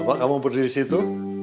bapak kamu mau berdiri di situ